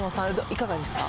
いかがですか？